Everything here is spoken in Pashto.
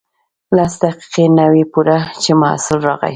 لس دقیقې نه وې پوره چې محصل راغی.